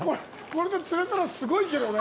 これで釣れたらすごいけどね。